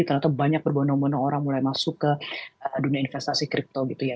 ternyata banyak berbonong bonong orang mulai masuk ke dunia investasi kripto gitu ya